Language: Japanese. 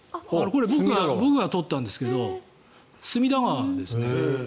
これ、僕が撮ったんですけど隅田川ですね。